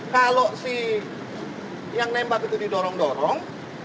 kalau si yang nembak itu didorong dorong